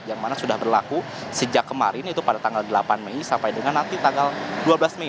yang mana sudah berlaku sejak kemarin itu pada tanggal delapan mei sampai dengan nanti tanggal dua belas mei